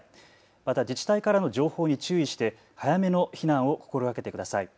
また自治体からの情報に注意して早めの避難を心がけてください。